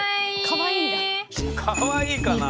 かわいいかなあ。